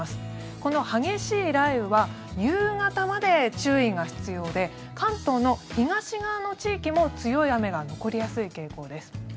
この激しい雷雨は夕方まで注意が必要で関東の東側の地域も強い雨が残りやすい傾向です。